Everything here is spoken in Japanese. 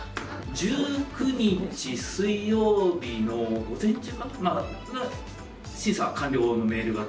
１９日水曜日の午前中かな？